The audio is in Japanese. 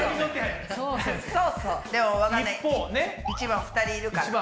１番２人いるから。